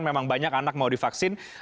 memang banyak anak mau divaksin